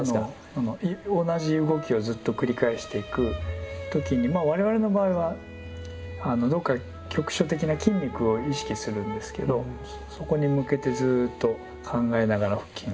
同じ動きをずっと繰り返していく時に我々の場合はどこか局所的な筋肉を意識するんですけどそこに向けてずっと考えながら続けていくとか。